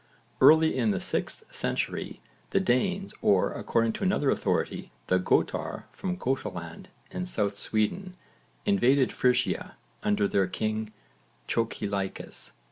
Early in the 6th century the Danes or, according to another authority, the Götar from Götaland in south Sweden, invaded Frisia under their king Chocilaicus.